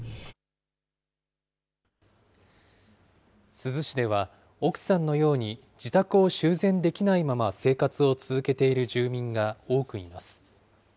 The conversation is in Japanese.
珠洲市では、奥さんのように自宅を修繕できないまま、生活を続けている住民が多くいます。